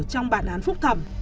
trong bản án phúc thẩm